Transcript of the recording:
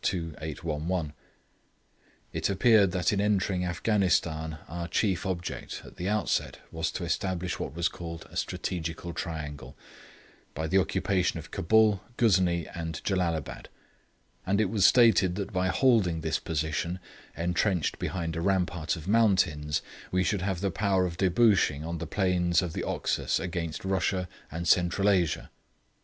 2811.] it appeared that in entering Afghanistan our chief object at the outset was to establish what was called a strategical triangle, by the occupation of Cabul, Ghuznee and Jellalabad; and it was stated that by holding this position, entrenched behind a rampart of mountains, we should have the power of debouching on the plains of the Oxus against Russia in Central Asia!